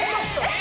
え！